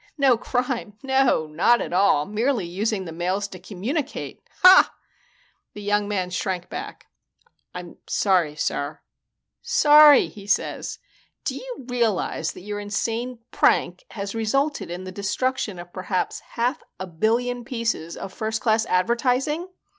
"No crime! No, not at all. Merely using the mails to communicate. Ha!" The young man shrank back. "I'm sorry, sir." "Sorry, he says! Do you realize that your insane prank has resulted in the destruction of perhaps a half billion pieces of first class advertising?